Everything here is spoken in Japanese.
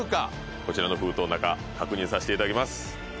こちらの封筒の中確認させていただきます